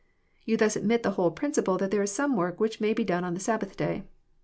You thus admit the whQle^principle that there is some work which may be done on the Sabbath day.